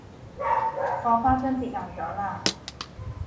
嗰花樽跌爛咗啦